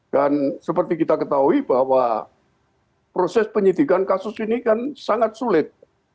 seperti kita ketahui bahwa proses penyidikan kasus ini kan sangat sulit